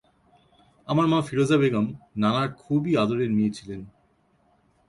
আমার মা ফিরোজা বেগম নানার খুবই আদরের মেয়ে ছিলেন।